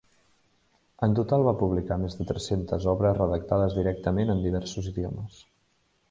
En total va publicar més de tres-centes obres redactades directament en diversos idiomes.